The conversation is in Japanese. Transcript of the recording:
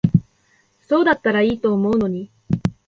そうだったら良いと思うのに。